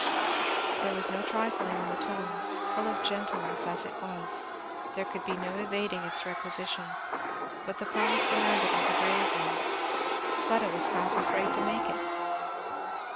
There was no trifling in the tone, full of gentleness as it was; there could be no evading its requisition. But the promise demanded was a grave one. Fleda was half afraid to make it.